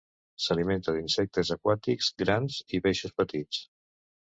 S'alimenta d'insectes aquàtics grans i peixos petits.